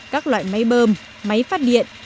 các loại máy bơm máy phát điện